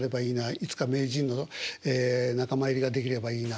いつか名人の仲間入りができればいいな。